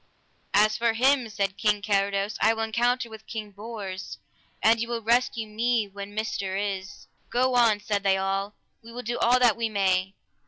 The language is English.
As for him, said King Carados, I will encounter with King Bors, an ye will rescue me when myster is. Go on, said they all, we will do all that we may.